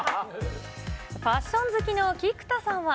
ファッション好きの菊田さんは。